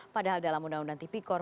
padahal dalam undang undang tipikor